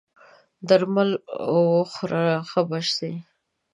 درمل وخوره ښه به سې!